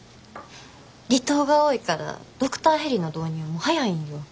離島が多いからドクターヘリの導入も早いんよ。